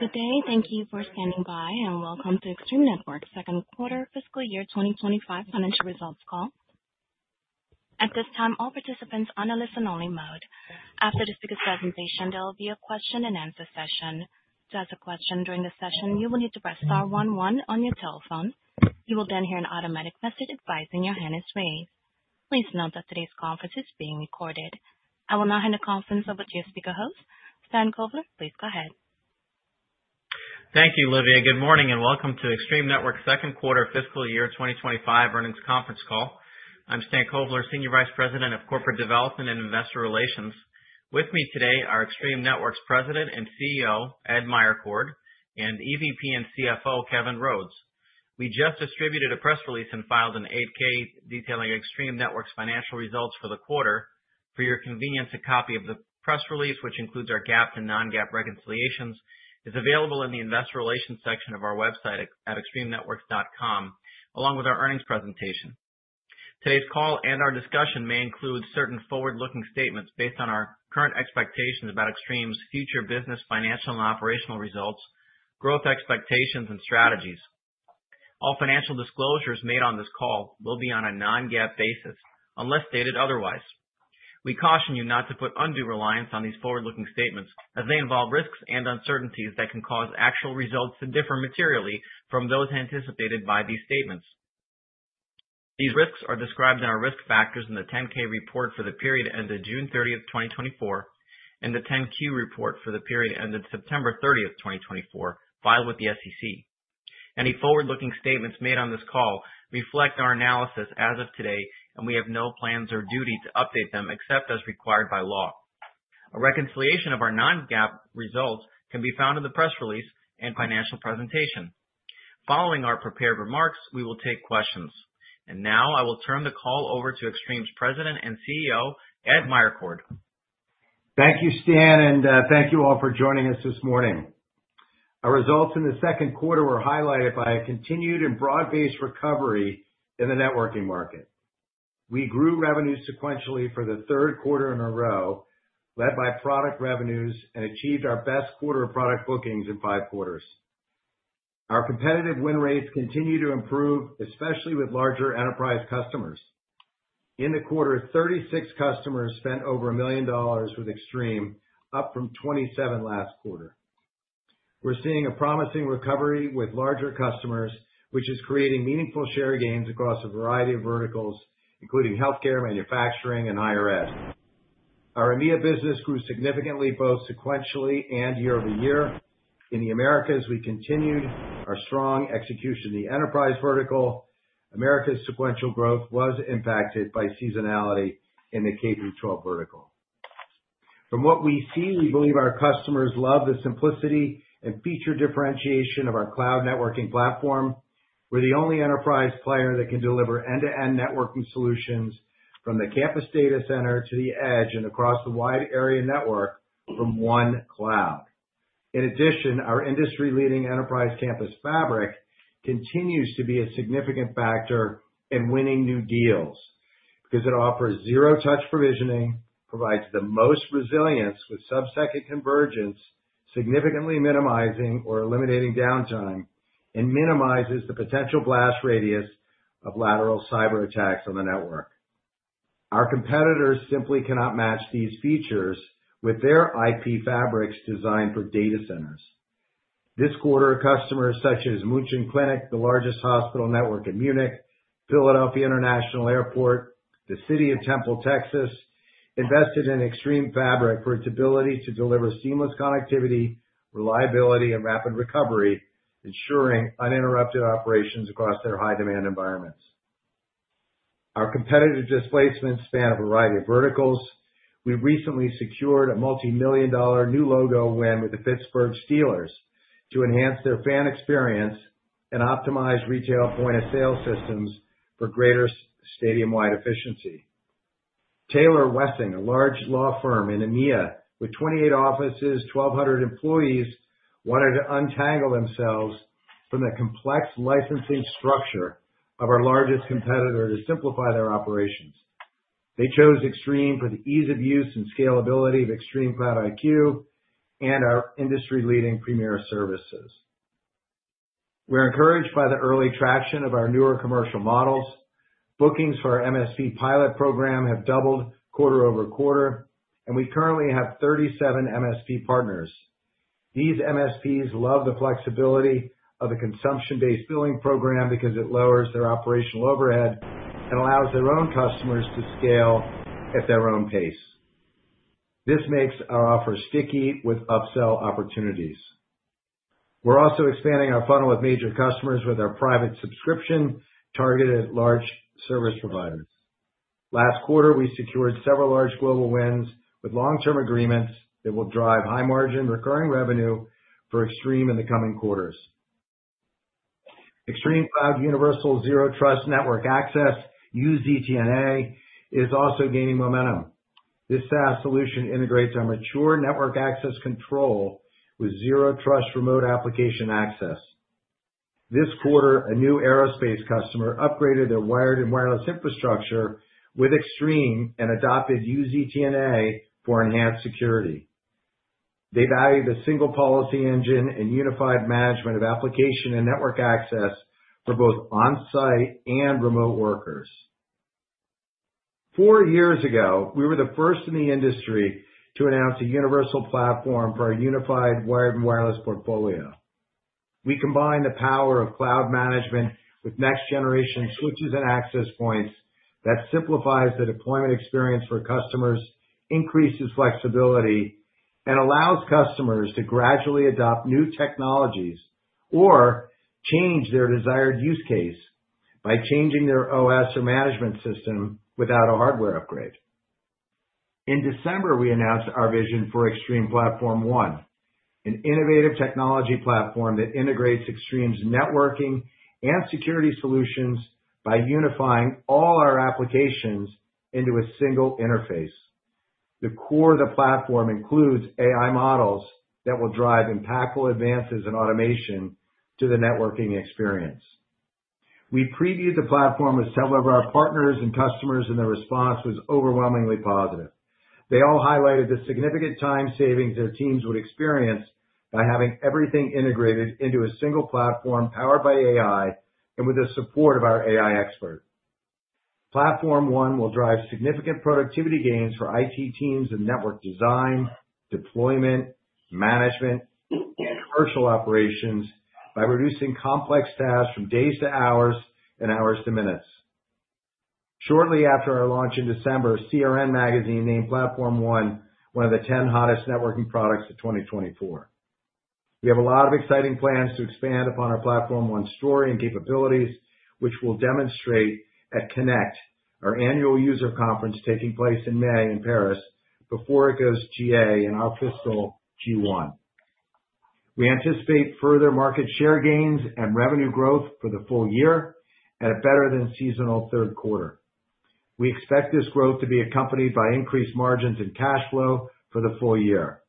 Good day, thank you for standing by, and welcome to Extreme Networks' Q2 Fiscal Year 2025 Financial Results Call. At this time, all participants are on a listen-only mode. After the speaker's presentation, there will be a question-and-answer session. To ask a question during the session, you will need to press star one one on your telephone. You will then hear an automatic message advising your hand is raised. Please note that today's conference is being recorded. I will now hand the conference over to your speaker host, Stan Kovler. Please go ahead. Thank you, Livia. Good morning and welcome to Extreme Networks' Q2 Fiscal Year 2025 Earnings Conference Call. I'm Stan Kovler, Senior Vice President of Corporate Development and Investor Relations. With me today are Extreme Networks' President and CEO, Ed Meyercord, and EVP and CFO, Kevin Rhodes. We just distributed a press release and filed an 8-K detailing Extreme Networks' financial results for the quarter. For your convenience, a copy of the press release, which includes our GAAP and non-GAAP reconciliations, is available in the investor relations section of our website at extremenetworks.com, along with our earnings presentation. Today's call and our discussion may include certain forward-looking statements based on our current expectations about Extreme's future business, financial, and operational results, growth expectations, and strategies. All financial disclosures made on this call will be on a non-GAAP basis unless stated otherwise. We caution you not to put undue reliance on these forward-looking statements as they involve risks and uncertainties that can cause actual results to differ materially from those anticipated by these statements. These risks are described in our risk factors in the 10-K report for the period ended June 30, 2024, and the 10-Q report for the period ended 30 September 2024, filed with the SEC. Any forward-looking statements made on this call reflect our analysis as of today, and we have no plans or duty to update them except as required by law. A reconciliation of our non-GAAP results can be found in the press release and financial presentation. Following our prepared remarks, we will take questions. And now I will turn the call over to Extreme's President and CEO, Ed Meyercord. Thank you, Stan, and thank you all for joining us this morning. Our results in the Q2 were highlighted by a continued and broad-based recovery in the networking market. We grew revenues sequentially for the Q3 in a row, led by product revenues, and achieved our best quarter of product bookings in five quarters. Our competitive win rates continue to improve, especially with larger enterprise customers. In the quarter, 36 customers spent over $1 million with Extreme, up from 27 last quarter. We're seeing a promising recovery with larger customers, which is creating meaningful share gains across a variety of verticals, including healthcare, manufacturing, and IRS. Our EMEA business grew significantly both sequentially and year-over-year. In the Americas, we continued our strong execution in the enterprise vertical. Americas sequential growth was impacted by seasonality in the K through 12 vertical. From what we see, we believe our customers love the simplicity and feature differentiation of our cloud networking platform. We're the only enterprise player that can deliver end-to-end networking solutions from the campus data center to the edge and across the wide area network from one cloud. In addition, our industry-leading enterprise campus fabric continues to be a significant factor in winning new deals because it offers zero-touch provisioning, provides the most resilience with subsecond convergence, significantly minimizing or eliminating downtime, and minimizes the potential blast radius of lateral cyber attacks on the network. Our competitors simply cannot match these features with their IP fabrics designed for data centers. This quarter, customers such as München Klinik, the largest hospital network in Munich, Philadelphia International Airport, and the City of Temple, Texas, invested in Extreme Fabric for its ability to deliver seamless connectivity, reliability, and rapid recovery, ensuring uninterrupted operations across their high-demand environments. Our competitive displacements span a variety of verticals. We recently secured a multi-million dollar new logo win with the Pittsburgh Steelers to enhance their fan experience and optimize retail point-of-sale systems for greater stadium-wide efficiency. Taylor Wessing, a large law firm in EMEA with 28 offices, 1,200 employees, wanted to untangle themselves from the complex licensing structure of our largest competitor to simplify their operations. They chose Extreme for the ease of use and scalability of Extreme Cloud IQ and our industry-leading Premier services. We're encouraged by the early traction of our newer commercial models. Bookings for our MSP pilot program have doubled quarter over quarter, and we currently have 37 MSP partners. These MSPs love the flexibility of the consumption-based billing program because it lowers their operational overhead and allows their own customers to scale at their own pace. This makes our offer sticky with upsell opportunities. We're also expanding our funnel with major customers with our private subscription targeted at large service providers. Last quarter, we secured several large global wins with long-term agreements that will drive high-margin recurring revenue for Extreme in the coming quarters. ExtremeCloud Universal Zero Trust Network Access, UZTNA, is also gaining momentum. This SaaS solution integrates our mature network access control with Zero Trust Remote Application Access. This quarter, a new aerospace customer upgraded their wired and wireless infrastructure with Extreme and adopted UZTNA for enhanced security. They value the single policy engine and unified management of application and network access for both on-site and remote workers. Four years ago, we were the first in the industry to announce a universal platform for our unified wired and wireless portfolio. We combine the power of cloud management with next-generation switches and access points that simplifies the deployment experience for customers, increases flexibility, and allows customers to gradually adopt new technologies or change their desired use case by changing their OS or management system without a hardware upgrade. In December, we announced our vision for Extreme Platform One, an innovative technology platform that integrates Extreme's networking and security solutions by unifying all our applications into a single interface. The core of the platform includes AI models that will drive impactful advances in automation to the networking experience. We previewed the platform with several of our partners and customers, and the response was overwhelmingly positive. They all highlighted the significant time savings their teams would experience by having everything integrated into a single platform powered by AI and with the support of our AI expert. Platform One will drive significant productivity gains for IT teams and network design, deployment, management, and commercial operations by reducing complex tasks from days to hours and hours to minutes. Shortly after our launch in December, CRN Magazine named Platform One one of the 10 hottest networking products of 2024. We have a lot of exciting plans to expand upon our Platform One story and capabilities, which we'll demonstrate at Connect, our annual user conference taking place in May in Paris before it goes GA in our fiscal Q1. We anticipate further market share gains and revenue growth for the full year and a better-than-seasonal Q3. We expect this growth to be accompanied by increased margins and cash flow for the full year,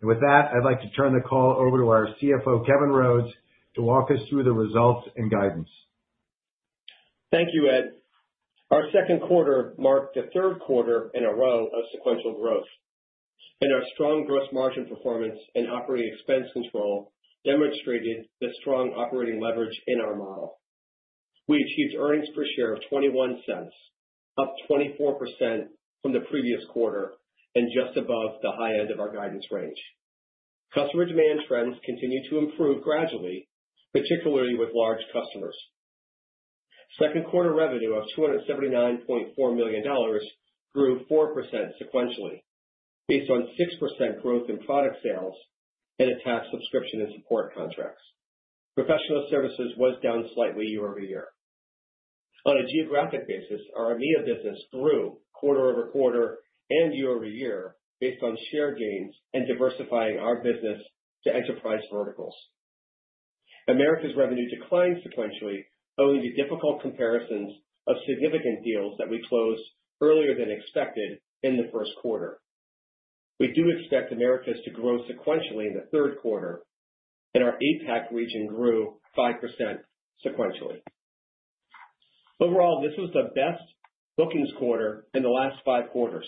and with that, I'd like to turn the call over to our CFO, Kevin Rhodes, to walk us through the results and guidance. Thank you, Ed. Our Q2 marked the Q3 in a row of sequential growth, and our strong gross margin performance and operating expense control demonstrated the strong operating leverage in our model. We achieved earnings per share of $0.21, up 24% from the previous quarter and just above the high end of our guidance range. Customer demand trends continue to improve gradually, particularly with large customers. Q2 revenue of $279.4 million grew 4% sequentially, based on 6% growth in product sales and attached subscription and support contracts. Professional services was down slightly year-over-year. On a geographic basis, our EMEA business grew quarter over quarter and year-over-year based on share gains and diversifying our business to enterprise verticals. Americas revenue declined sequentially, owing to difficult comparisons of significant deals that we closed earlier than expected in the Q1. We do expect Americas to grow sequentially in the Q3, and our APAC region grew 5% sequentially. Overall, this was the best bookings quarter in the last five quarters.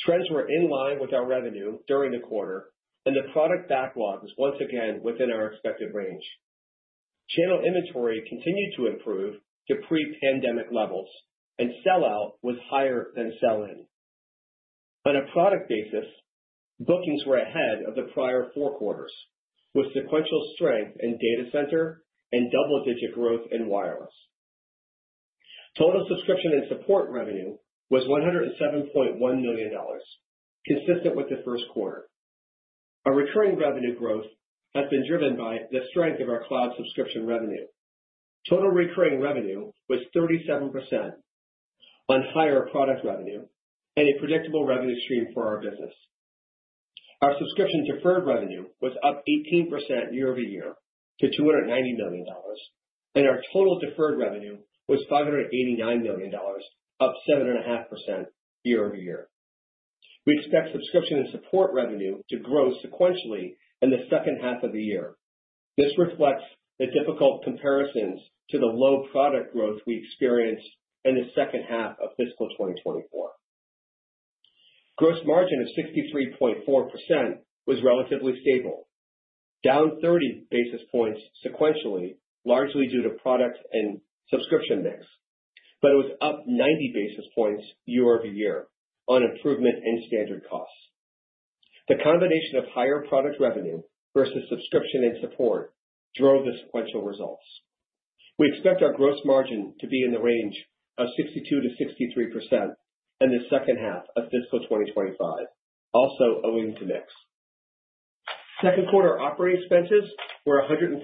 Trends were in line with our revenue during the quarter, and the product backlog was once again within our expected range. Channel inventory continued to improve to pre-pandemic levels, and sell-out was higher than sell-in. On a product basis, bookings were ahead of the prior four quarters, with sequential strength in data center and double-digit growth in wireless. Total subscription and support revenue was $107.1 million, consistent with the Q1. Our recurring revenue growth has been driven by the strength of our cloud subscription revenue. Total recurring revenue was 37% on higher product revenue and a predictable revenue stream for our business. Our subscription deferred revenue was up 18% year-over-year to $290 million, and our total deferred revenue was $589 million, up 7.5% year-over-year. We expect subscription and support revenue to grow sequentially in the second half of the year. This reflects the difficult comparisons to the low product growth we experienced in the second half of fiscal 2024. Gross margin of 63.4% was relatively stable, down 30 basis points sequentially, largely due to product and subscription mix, but it was up 90 basis points year-over-year on improvement in standard costs. The combination of higher product revenue versus subscription and support drove the sequential results. We expect our gross margin to be in the range of 62% to 63% in the second half of fiscal 2025, also owing to mix. Q2 operating expenses were $136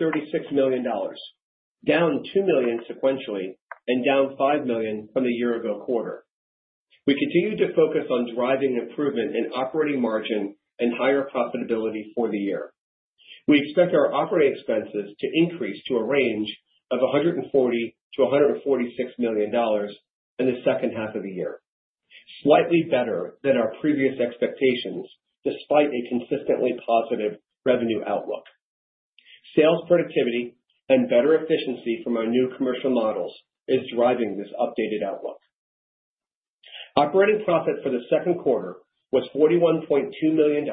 million, down $2 million sequentially and down $5 million from the year-ago quarter. We continue to focus on driving improvement in operating margin and higher profitability for the year. We expect our operating expenses to increase to a range of $140 million-$146 million in the second half of the year, slightly better than our previous expectations despite a consistently positive revenue outlook. Sales productivity and better efficiency from our new commercial models is driving this updated outlook. Operating profit for the Q2 was $41.2 million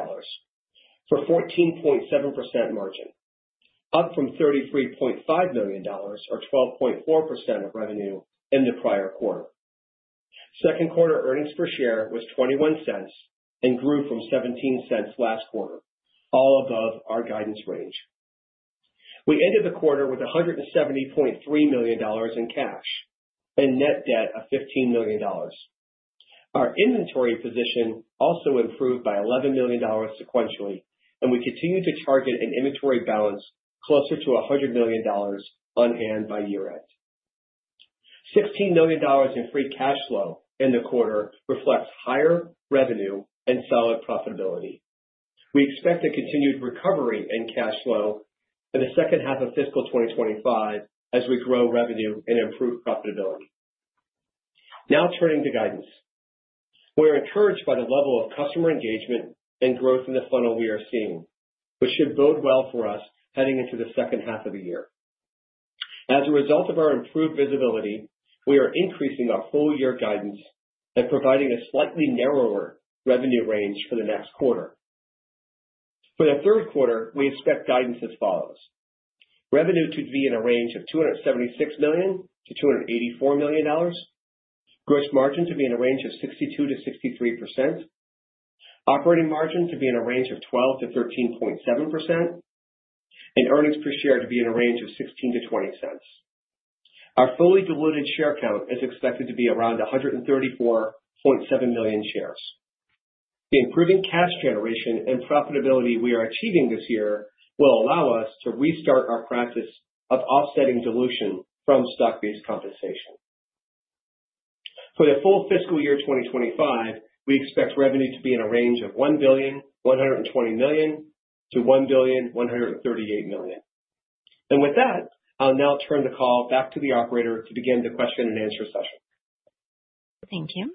for 14.7% margin, up from $33.5 million or 12.4% of revenue in the prior quarter. Q2 earnings per share was $0.21 and grew from $0.17 last quarter, all above our guidance range. We ended the quarter with $170.3 million in cash and net debt of $15 million. Our inventory position also improved by $11 million sequentially, and we continue to target an inventory balance closer to $100 million on hand by year-end. $16 million in free cash flow in the quarter reflects higher revenue and solid profitability. We expect a continued recovery in cash flow in the second half of fiscal 2025 as we grow revenue and improve profitability. Now turning to guidance, we are encouraged by the level of customer engagement and growth in the funnel we are seeing, which should bode well for us heading into the second half of the year. As a result of our improved visibility, we are increasing our full-year guidance and providing a slightly narrower revenue range for the next quarter. For the Q3, we expect guidance as follows: revenue to be in a range of $276 to 284 million, gross margin to be in a range of 62% to 63%, operating margin to be in a range of 12% to 13.7%, and earnings per share to be in a range of $0.16 to 0.20. Our fully diluted share count is expected to be around 134.7 million shares. The improving cash generation and profitability we are achieving this year will allow us to restart our practice of offsetting dilution from stock-based compensation. For the full fiscal year 2025, we expect revenue to be in a range of $1,120 to 1,138 million, and with that, I'll now turn the call back to the operator to begin the question-and-answer session. Thank you.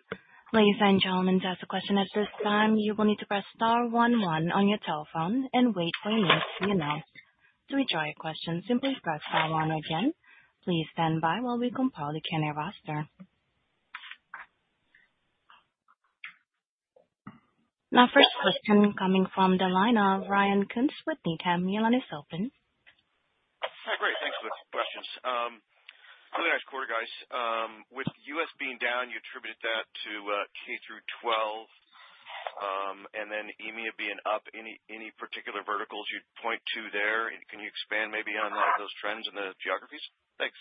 Ladies and gentlemen, to ask a question at this time, you will need to press star one one on your telephone and wait for a note to be announced. To withdraw your question, simply press star one again. Please stand by while we compile the Q&A roster. Now, first question coming from Ryan Koontz with Needham & Company. The line is open. Hi, great. Thanks for the questions. Really nice quarter, guys. With the US being down, you attributed that to K through 12 and then EMEA being up. Any particular verticals you'd point to there? Can you expand maybe on those trends and the geographies? Thanks.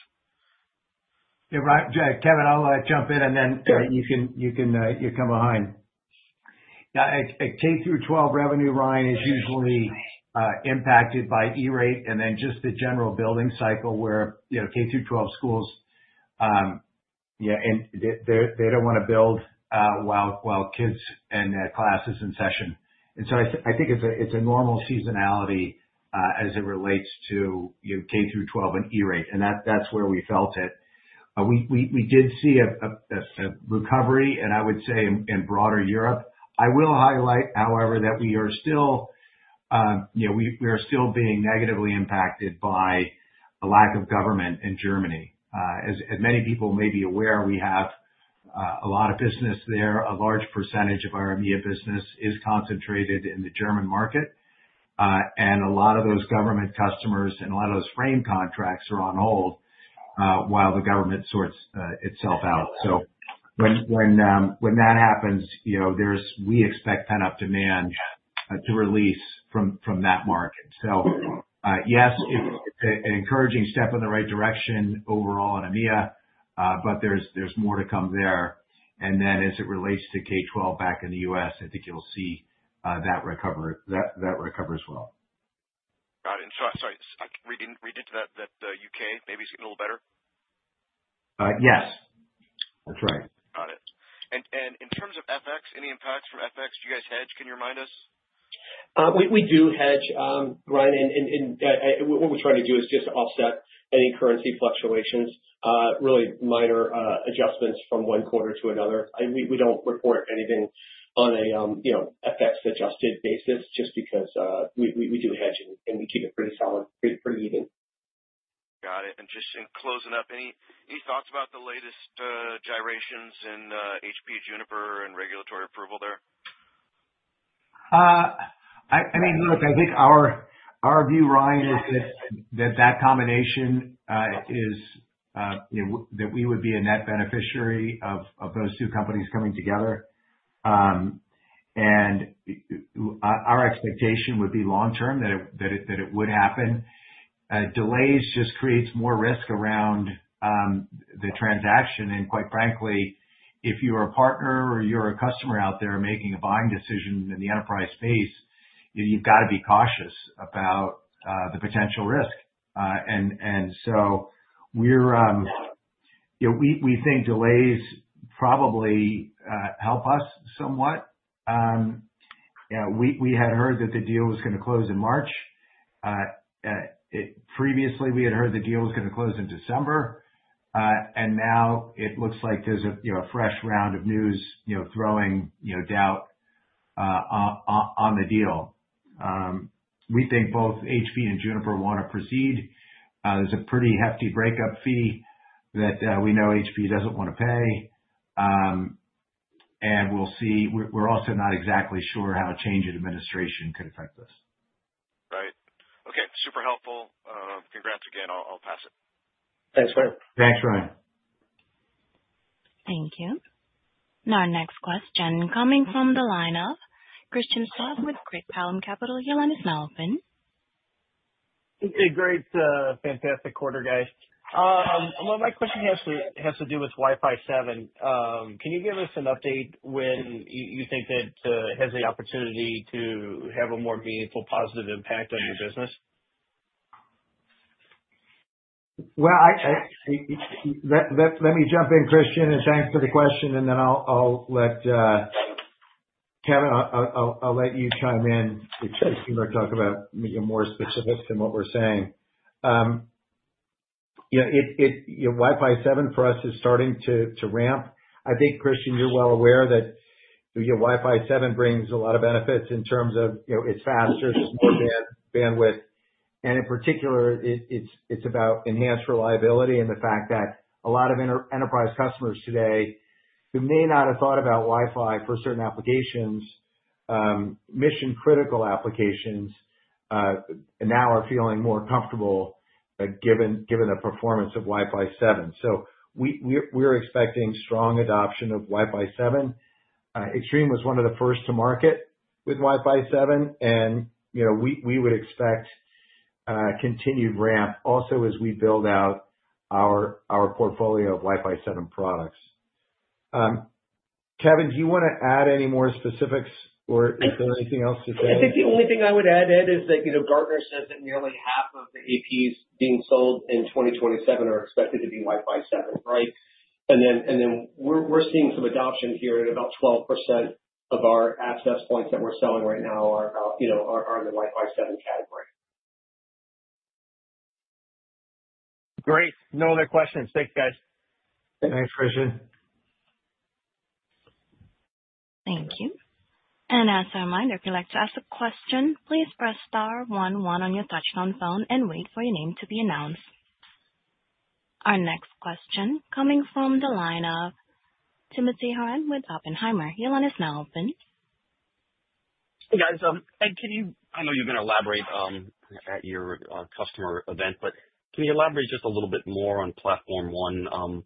Yeah, Kevin, I'll jump in, and then you can come behind. K through 12 revenue, Ryan, is usually impacted by E-rate and then just the general building cycle where K through 12 schools, yeah, and they don't want to build while kids and classes in session. And so I think it's a normal seasonality as it relates to K through 12 and E-rate, and that's where we felt it. We did see a recovery, and I would say in broader Europe. I will highlight, however, that we are still being negatively impacted by a lack of government in Germany. As many people may be aware, we have a lot of business there. A large percentage of our EMEA business is concentrated in the German market, and a lot of those government customers and a lot of those frame contracts are on hold while the government sorts itself out. So when that happens, we expect pent-up demand to release from that market. So yes, it's an encouraging step in the right direction overall in EMEA, but there's more to come there. And then as it relates to K-12 back in the US, I think you'll see that recovers well. Got it. And sorry, read into that the UK maybe is getting a little better? Yes, that's right. Got it. And in terms of FX, any impacts from FX? Do you guys hedge? Can you remind us? We do hedge, Ryan, and what we're trying to do is just offset any currency fluctuations, really minor adjustments from one quarter to another. We don't report anything on a FX-adjusted basis just because we do hedge and we keep it pretty solid, pretty even. Got it. And just in closing up, any thoughts about the latest gyrations in HPE Juniper and regulatory approval there? I mean, look, I think our view, Ryan, is that that combination is that we would be a net beneficiary of those two companies coming together. And our expectation would be long-term that it would happen. Delays just create more risk around the transaction. And quite frankly, if you're a partner or you're a customer out there making a buying decision in the enterprise space, you've got to be cautious about the potential risk. And so we think delays probably help us somewhat. We had heard that the deal was going to close in March. Previously, we had heard the deal was going to close in December, and now it looks like there's a fresh round of news throwing doubt on the deal. We think both HPE and Juniper want to proceed. There's a pretty hefty breakup fee that we know HPE doesn't want to pay. And we'll see. We're also not exactly sure how change in administration could affect this. Right. Okay. Super helpful. Congrats again. I'll pass it. Thanks, Kevin. Thanks, Ryan. Thank you. Now, our next question coming from the line of Christian Schwab with Craig-Hallum Capital. Your line is now open. Okay. Great. Fantastic quarter, guys. Well, my question has to do with Wi-Fi 7. Can you give us an update when you think that it has the opportunity to have a more meaningful positive impact on your business? Let me jump in, Christian, and thanks for the question, and then I'll let Kevin, I'll let you chime in. We're talking about more specifics than what we're saying. Wi-Fi 7 for us is starting to ramp. I think, Chris, you're well aware that Wi-Fi 7 brings a lot of benefits in terms of it's faster, it's more bandwidth, and in particular, it's about enhanced reliability and the fact that a lot of enterprise customers today who may not have thought about Wi-Fi for certain applications, mission-critical applications, now are feeling more comfortable given the performance of Wi-Fi 7, so we're expecting strong adoption of Wi-Fi 7. Extreme was one of the first to market with Wi-Fi 7, and we would expect continued ramp also as we build out our portfolio of Wi-Fi 7 products. Kevin, do you want to add any more specifics or is there anything else to say? I think the only thing I would add, Ed, is that Gartner says that nearly half of the APs being sold in 2027 are expected to be Wi-Fi 7, right? And then we're seeing some adoption here at about 12% of our access points that we're selling right now are in the Wi-Fi 7 category. Great. No other questions. Thanks, guys. Thanks, Kris. Thank you, and as a reminder, if you'd like to ask a question, please press star one one on your touch-tone phone and wait for your name to be announced. Our next question coming from the line of Timothy Horan with Oppenheimer. Hey, guys. I know you're going to elaborate at your customer event, but can you elaborate just a little bit more on Platform One,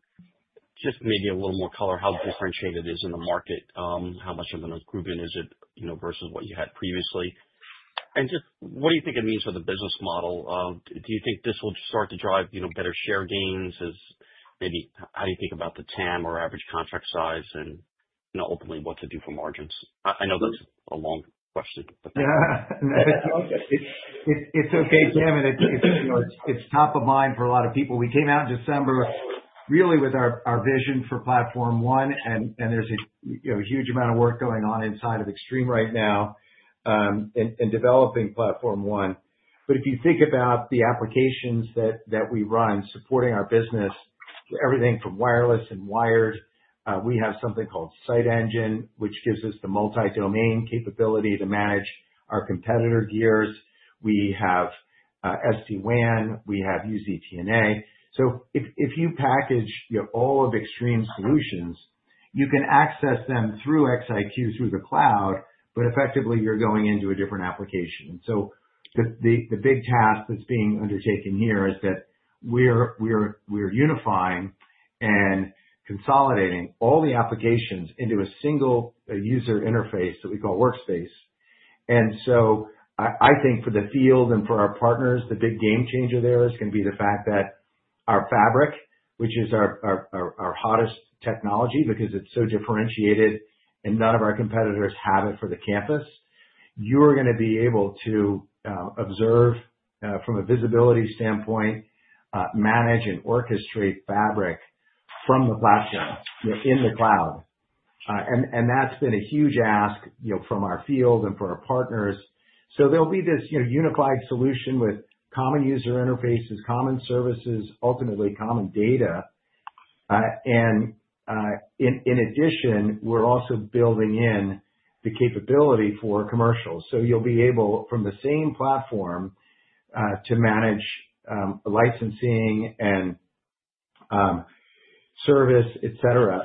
just maybe a little more color how differentiated it is in the market, how much of an improvement is it versus what you had previously? And just what do you think it means for the business model? Do you think this will start to drive better share gains? Maybe how do you think about the TAM or average contract size and ultimately what to do for margins? I know that's a long question, but. It's okay, Kevin. It's top of mind for a lot of people. We came out in December really with our vision for Platform One, and there's a huge amount of work going on inside of Extreme right now in developing Platform One. But if you think about the applications that we run supporting our business, everything from wireless and wired, we have something called Site Engine, which gives us the multi-domain capability to manage our competitor gears. We have SD-WAN. We have UZTNA. So if you package all of Extreme's solutions, you can access them through XiQ, through the cloud, but effectively, you're going into a different application. And so the big task that's being undertaken here is that we're unifying and consolidating all the applications into a single user interface that we call workspace. And so I think for the field and for our partners, the big game changer there is going to be the fact that our fabric, which is our hottest technology because it's so differentiated and none of our competitors have it for the campus, you're going to be able to observe, from a visibility standpoint, manage and orchestrate fabric from the platform in the cloud. And that's been a huge ask from our field and for our partners. So there'll be this unified solution with common user interfaces, common services, ultimately common data. And in addition, we're also building in the capability for commercial. So you'll be able, from the same platform, to manage licensing and service, etc.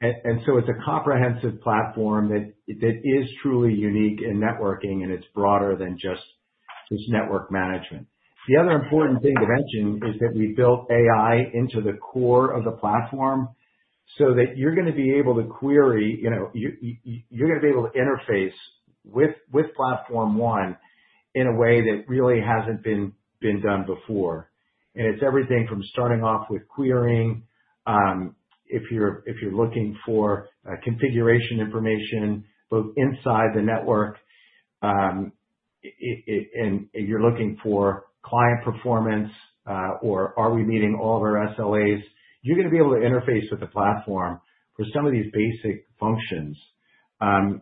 And so it's a comprehensive platform that is truly unique in networking, and it's broader than just network management. The other important thing to mention is that we built AI into the core of the platform so that you're going to be able to query, you're going to be able to interface with Platform One in a way that really hasn't been done before, and it's everything from starting off with querying if you're looking for configuration information both inside the network and you're looking for client performance or are we meeting all of our SLAs. You're going to be able to interface with the platform for some of these basic functions, and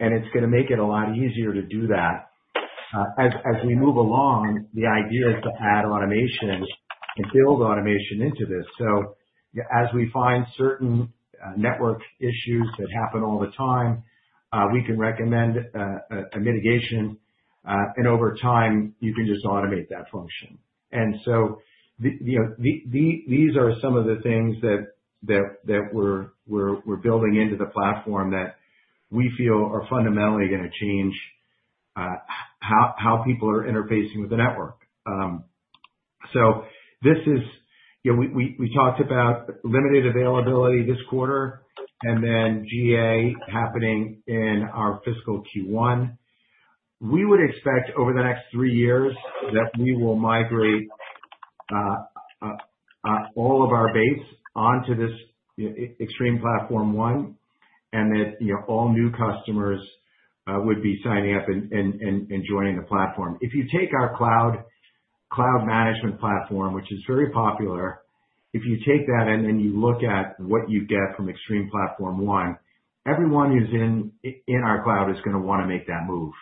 it's going to make it a lot easier to do that. As we move along, the idea is to add automation and build automation into this, so as we find certain network issues that happen all the time, we can recommend a mitigation, and over time, you can just automate that function. And so these are some of the things that we're building into the platform that we feel are fundamentally going to change how people are interfacing with the network. So we talked about limited availability this quarter and then GA happening in our fiscal Q1. We would expect over the next three years that we will migrate all of our base onto this Extreme Platform One and that all new customers would be signing up and joining the platform. If you take our cloud management platform, which is very popular, if you take that and then you look at what you get from Extreme Platform One, everyone who's in our cloud is going to want to make that move.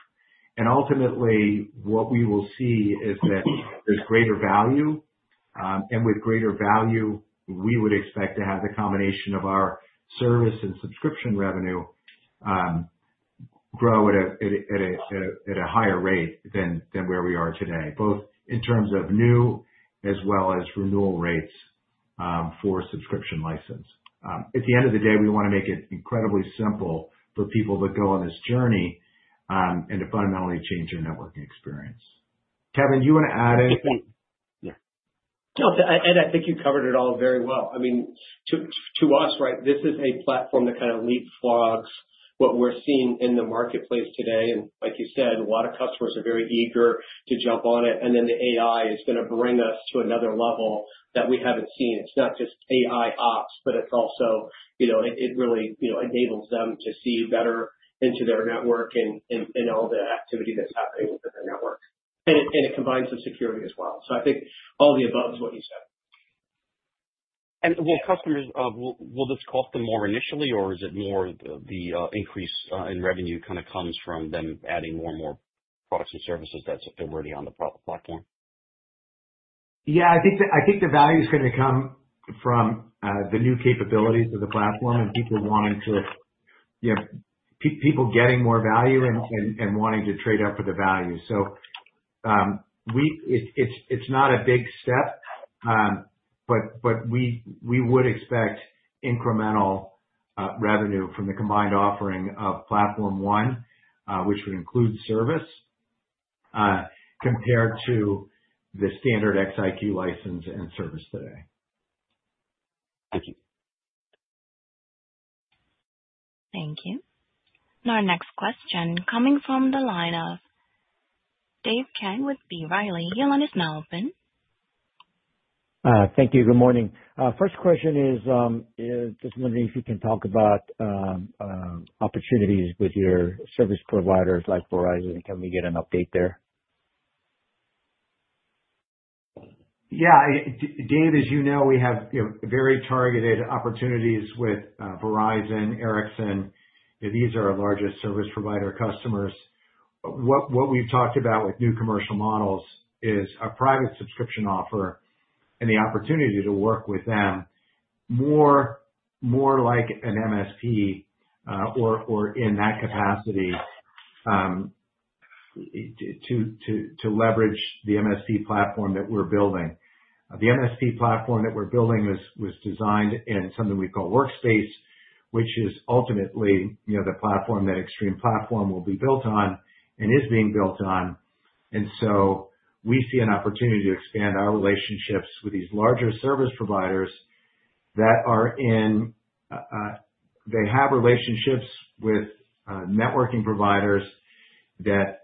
And ultimately, what we will see is that there's greater value, and with greater value, we would expect to have the combination of our service and subscription revenue grow at a higher rate than where we are today, both in terms of new as well as renewal rates for subscription license. At the end of the day, we want to make it incredibly simple for people to go on this journey and to fundamentally change your networking experience. Kevin, do you want to add anything? No, Ed, I think you covered it all very well. I mean, to us, right, this is a platform that kind of leapfrogs what we're seeing in the marketplace today. And like you said, a lot of customers are very eager to jump on it. And then the AI is going to bring us to another level that we haven't seen. It's not just AIops, but it's also it really enables them to see better into their network and all the activity that's happening within their network. And it combines the security as well. So I think all the above is what you said. Will this cost them more initially, or is it more the increase in revenue kind of comes from them adding more and more products and services that's already on the platform? Yeah, I think the value is going to come from the new capabilities of the platform and people wanting to get more value and wanting to trade up for the value. So it's not a big step, but we would expect incremental revenue from the combined offering of Platform One, which would include service compared to the standard XiQ license and service today. Thank you. Thank you. Now, our next question coming from the line of Dave Kang with B. Riley, you line is now open. Thank you. Good morning. First question is just wondering if you can talk about opportunities with your service providers like Verizon. Can we get an update there? Yeah. Dave, as you know, we have very targeted opportunities with Verizon, Ericsson. These are our largest service provider customers. What we've talked about with new commercial models is a private subscription offer and the opportunity to work with them more like an MSP or in that capacity to leverage the MSP platform that we're building. The MSP platform that we're building was designed in something we call workspace, which is ultimately the platform that Extreme Platform will be built on and is being built on. And so we see an opportunity to expand our relationships with these larger service providers that are in, they have relationships with networking providers that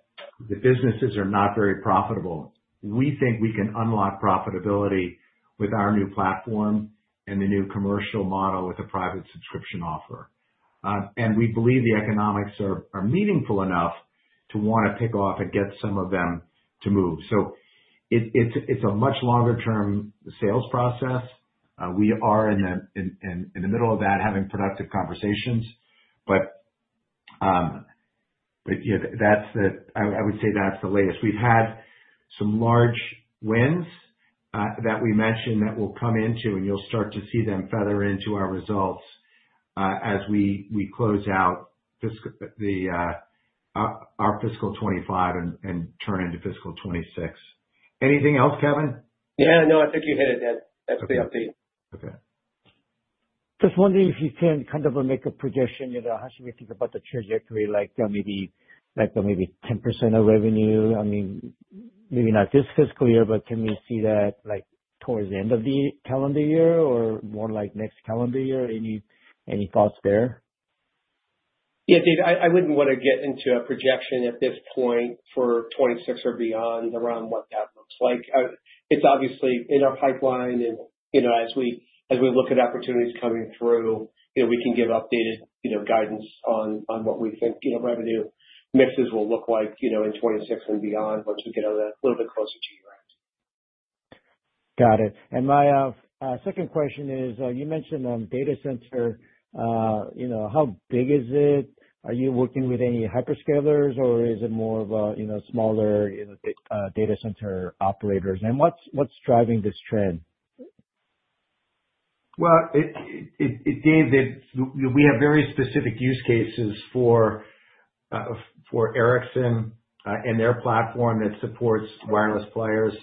the businesses are not very profitable. We think we can unlock profitability with our new platform and the new commercial model with a private subscription offer. And we believe the economics are meaningful enough to want to pick off and get some of them to move. So it's a much longer-term sales process. We are in the middle of that, having productive conversations, but I would say that's the latest. We've had some large wins that we mentioned that will come into, and you'll start to see them feather into our results as we close out our fiscal 2025 and turn into fiscal 2026. Anything else, Kevin? Yeah. No, I think you hit it, Ed. That's the update. Okay. Just wondering if you can kind of make a prediction, how should we think about the trajectory, like maybe 10% of revenue? I mean, maybe not this fiscal year, but can we see that towards the end of the calendar year or more like next calendar year? Any thoughts there? Yeah, Dave, I wouldn't want to get into a projection at this point for 2026 or beyond around what that looks like. It's obviously in our pipeline, and as we look at opportunities coming through, we can give updated guidance on what we think revenue mixes will look like in 2026 and beyond once we get a little bit closer to year-end. Got it. And my second question is you mentioned data center. How big is it? Are you working with any hyperscalers, or is it more of a smaller data center operators? And what's driving this trend? Dave, we have very specific use cases for Ericsson and their platform that supports wireless players.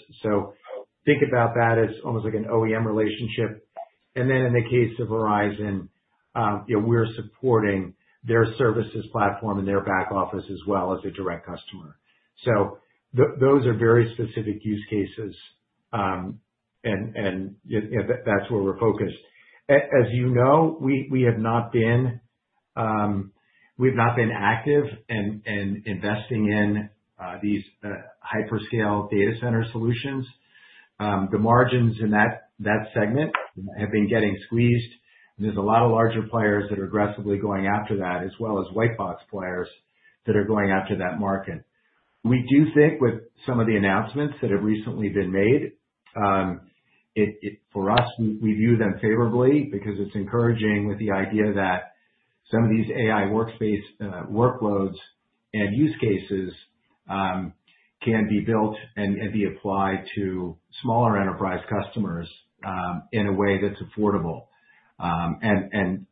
Think about that as almost like an OEM relationship. In the case of Verizon, we're supporting their services platform and their back office as well as a direct customer. Those are very specific use cases, and that's where we're focused. As you know, we have not been active in investing in these hyperscale data center solutions. The margins in that segment have been getting squeezed, and there's a lot of larger players that are aggressively going after that, as well as white-box players that are going after that market. We do think with some of the announcements that have recently been made, for us, we view them favorably because it's encouraging with the idea that some of these AI workspace workloads and use cases can be built and be applied to smaller enterprise customers in a way that's affordable. And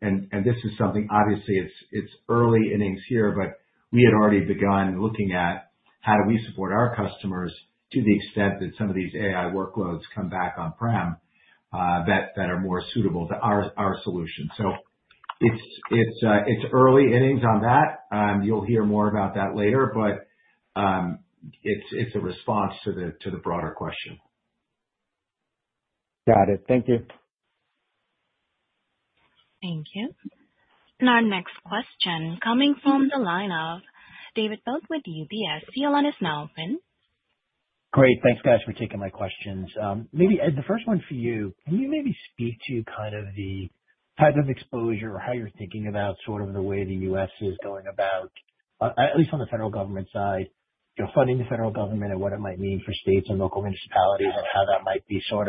this is something, obviously, it's early innings here, but we had already begun looking at how do we support our customers to the extent that some of these AI workloads come back on-prem that are more suitable to our solution. So it's early innings on that. You'll hear more about that later, but it's a response to the broader question. Got it. Thank you. Thank you. Our next question coming from the line of David Vogt with UBS. Your line is open. Great. Thanks, guys, for taking my questions. Maybe the first one for you, can you maybe speak to kind of the type of exposure or how you're thinking about sort of the way the US is going about, at least on the federal government side, funding the federal government and what it might mean for states and local municipalities and how that might be sort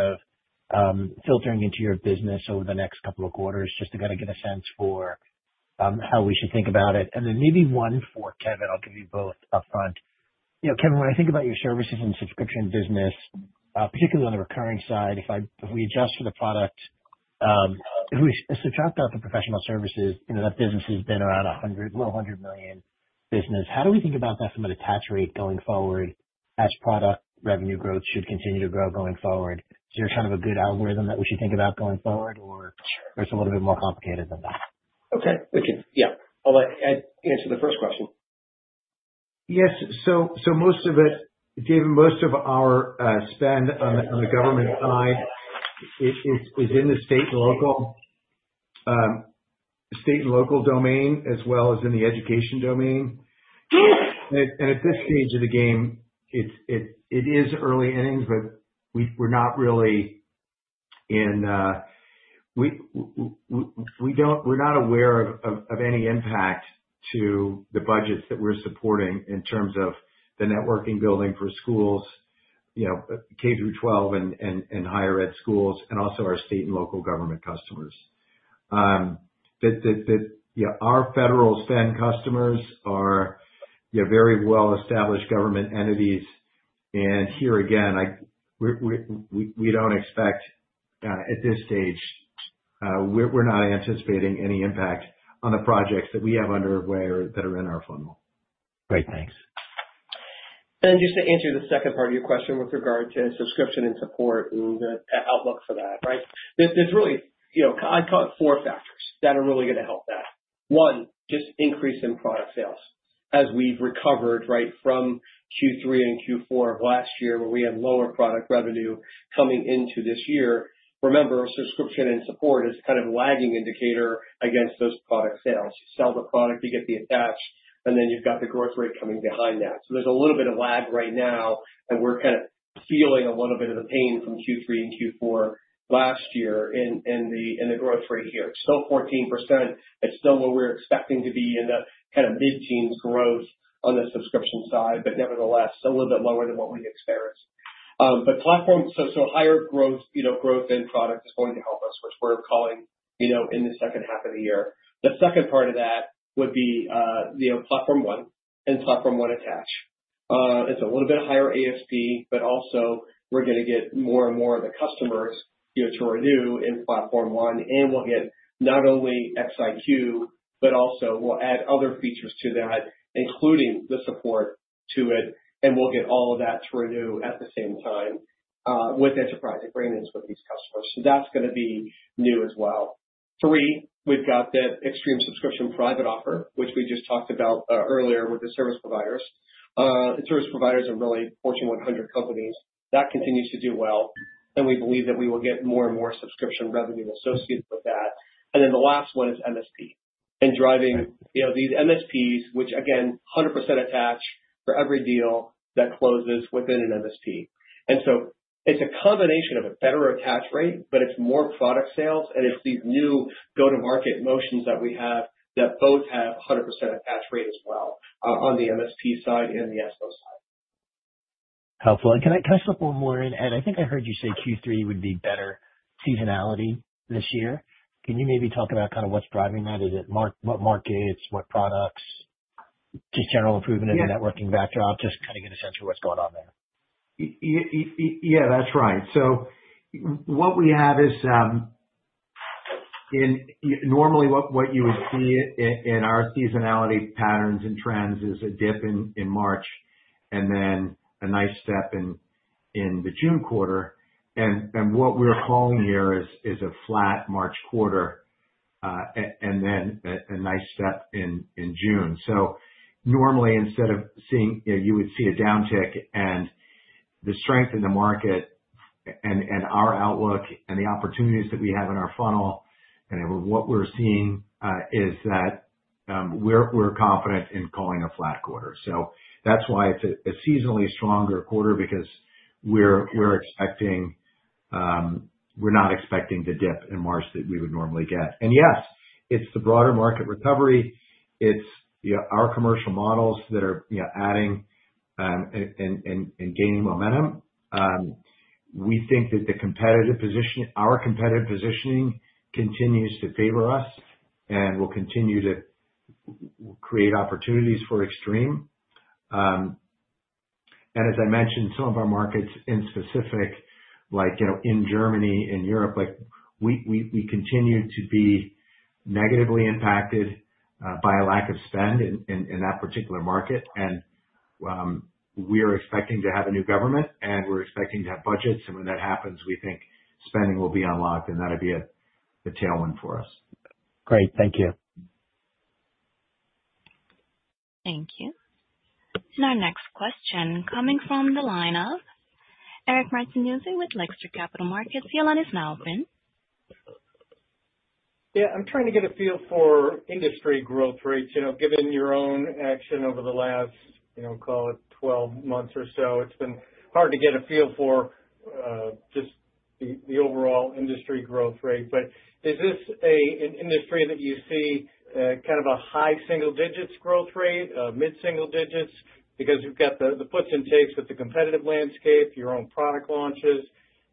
of filtering into your business over the next couple of quarters just to kind of get a sense for how we should think about it? And then maybe one for Kevin, I'll give you both upfront. Kevin, when I think about your services and subscription business, particularly on the recurring side, if we adjust for the product, if we subtract out the professional services, that business has been around a little under a million business. How do we think about that from an attach rate going forward as product revenue growth should continue to grow going forward? Is there kind of a good algorithm that we should think about going forward, or it's a little bit more complicated than that? Okay. Yeah. I'll answer the first question. Yes. So most of it, Dave, most of our spend on the government side is in the state and local domain as well as in the education domain. And at this stage of the game, it is early innings, but we're not aware of any impact to the budgets that we're supporting in terms of the networking building for schools, K-12 and higher ed schools, and also our state and local government customers. Our federal spend customers are very well-established government entities. And here again, we don't expect at this stage; we're not anticipating any impact on the projects that we have underway or that are in our funnel. Great. Thanks. And just to answer the second part of your question with regard to subscription and support and the outlook for that, right? There's really, I'd call it, four factors that are really going to help that. One, just increase in product sales as we've recovered, right, from Q3 and Q4 of last year where we had lower product revenue coming into this year. Remember, subscription and support is kind of a lagging indicator against those product sales. You sell the product, you get the attach, and then you've got the growth rate coming behind that. So there's a little bit of lag right now, and we're kind of feeling a little bit of the pain from Q3 and Q4 last year in the growth rate here. It's still 14%. It's still where we're expecting to be in the kind of mid-teens growth on the subscription side, but nevertheless, still a little bit lower than what we experienced. But Platform One, so higher growth in product is going to help us, which we're calling in the second half of the year. The second part of that would be Platform One and Platform One attach. It's a little bit higher ASP, but also we're going to get more and more of the customers to renew in Platform One, and we'll get not only XiQ, but also we'll add other features to that, including the support to it, and we'll get all of that to renew at the same time with enterprise agreements with these customers. So that's going to be new as well. Three, we've got the Extreme Subscription Private Offer, which we just talked about earlier with the service providers. The service providers are really Fortune 100 companies. That continues to do well, and we believe that we will get more and more subscription revenue associated with that. And then the last one is MSP and driving these MSPs, which again, 100% attach for every deal that closes within an MSP. And so it's a combination of a better attach rate, but it's more product sales, and it's these new go-to-market motions that we have that both have 100% attach rate as well on the MSP side and the EXPO side. Helpful. And can I slip one more in? And I think I heard you say Q3 would be better seasonality this year. Can you maybe talk about kind of what's driving that? Is it what markets, what products, just general improvement in the networking backdrop, just kind of get a sense of what's going on there? Yeah, that's right. So what we have is normally what you would see in our seasonality patterns and trends is a dip in March and then a nice step in the June quarter. And what we're calling here is a flat March quarter and then a nice step in June. So normally, instead of seeing you would see a downtick, and the strength in the market and our outlook and the opportunities that we have in our funnel and what we're seeing is that we're confident in calling a flat quarter. So that's why it's a seasonally stronger quarter because we're not expecting the dip in March that we would normally get. And yes, it's the broader market recovery. It's our commercial models that are adding and gaining momentum. We think that our competitive positioning continues to favor us and will continue to create opportunities for Extreme. And as I mentioned, some of our markets in specific, like in Germany and Europe, we continue to be negatively impacted by a lack of spend in that particular market. And we're expecting to have a new government, and we're expecting to have budgets. And when that happens, we think spending will be unlocked, and that would be the tailwind for us. Great. Thank you. Thank you. And our next question coming from the line of Eric Martinuzzi with Lake Street Capital Markets. Your line is now open. Yeah. I'm trying to get a feel for industry growth rates. Given your own action over the last, call it, 12 months or so, it's been hard to get a feel for just the overall industry growth rate. But is this an industry that you see kind of a high single-digits growth rate, mid-single digits? Because you've got the puts and takes with the competitive landscape, your own product launches,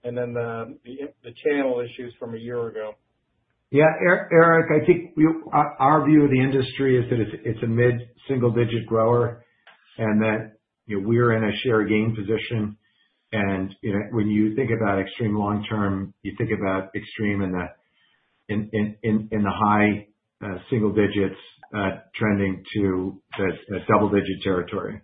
and then the channel issues from a year ago. Yeah. Eric, I think our view of the industry is that it's a mid-single-digit grower and that we're in a share gain position. And when you think about Extreme long-term, you think about Extreme in the high single digits trending to double-digit territory.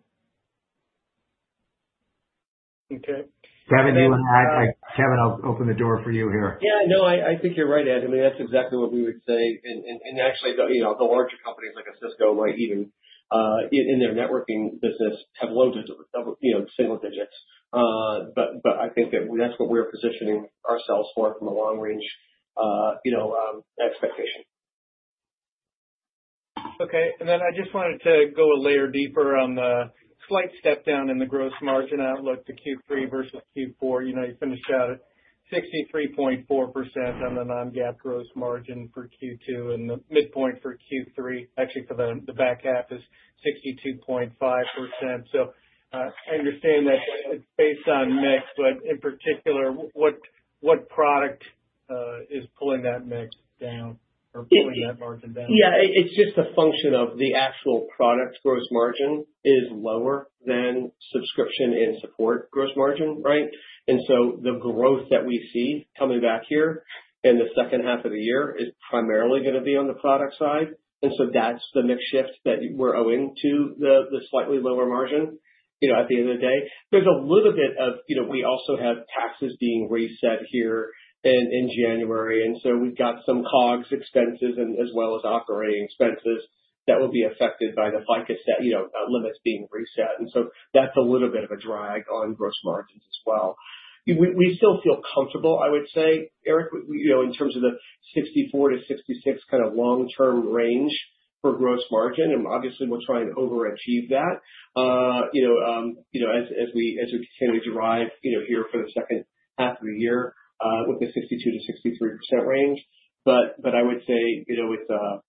Okay. Kevin, you want to add? Kevin, I'll open the door for you here. Yeah. No, I think you're right, Ed. I mean, that's exactly what we would say. And actually, the larger companies like a Cisco might even, in their networking business, have low digits, single digits. But I think that that's what we're positioning ourselves for from a long-range expectation. Okay. And then I just wanted to go a layer deeper on the slight step down in the gross margin outlook to Q3 versus Q4. You finished out at 63.4% on the non-GAAP gross margin for Q2, and the midpoint for Q3, actually for the back half, is 62.5%. So I understand that it's based on mix, but in particular, what product is pulling that mix down or pulling that margin down? Yeah. It's just a function of the actual product gross margin is lower than subscription and support gross margin, right? And so the growth that we see coming back here in the second half of the year is primarily going to be on the product side. And so that's the mix shift that we're owing to the slightly lower margin at the end of the day. There's a little bit of we also have taxes being reset here in January. And so we've got some COGS expenses as well as operating expenses that will be affected by the FICA limits being reset. And so that's a little bit of a drag on gross margins as well. We still feel comfortable, I would say, Eric, in terms of the 64% to 66% kind of long-term range for gross margin. And obviously, we'll try and overachieve that as we continue to drive here for the second half of the year with the 62% to 63% range. But I would say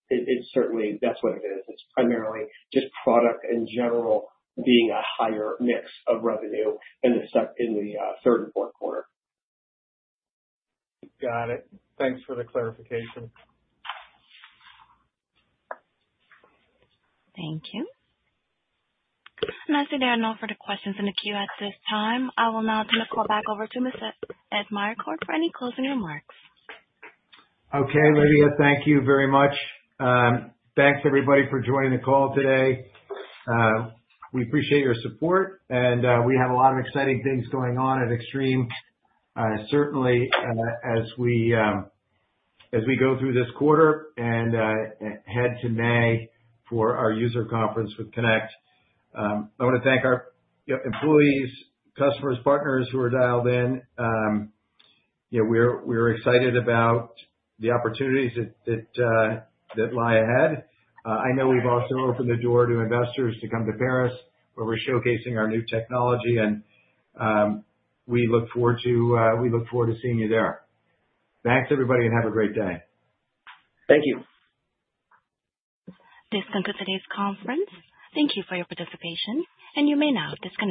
it's certainly that's what it is. It's primarily just product in general being a higher mix of revenue in the third and Q4. Got it. Thanks for the clarification. Thank you. Nelson, there are no further questions in the queue at this time. I will now turn the call back over to Mr. Ed Meyercord for any closing remarks. Okay. Livia, thank you very much. Thanks, everybody, for joining the call today. We appreciate your support, and we have a lot of exciting things going on at Extreme, certainly as we go through this quarter and head to May for our user conference with Connect. I want to thank our employees, customers, partners who are dialed in. We're excited about the opportunities that lie ahead. I know we've also opened the door to investors to come to Paris, where we're showcasing our new technology, and we look forward to seeing you there. Thanks, everybody, and have a great day. Thank you. This concludes today's conference. Thank you for your participation, and you may now disconnect.